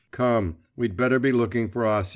Come, we'd better be looking for Acia.